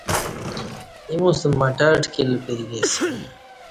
اِیمُوسہ مٹر ٹکِل پریک اسی